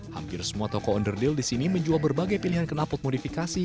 hampir semua toko underdeal di sini menjual berbagai pilihan kenalpot modifikasi